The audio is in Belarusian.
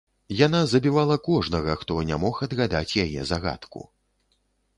Яна забівала кожнага, хто не мог адгадаць яе загадку.